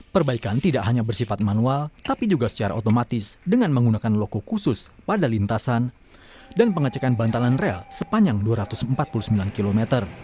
perbaikan tidak hanya bersifat manual tapi juga secara otomatis dengan menggunakan loko khusus pada lintasan dan pengecekan bantalan rel sepanjang dua ratus empat puluh sembilan km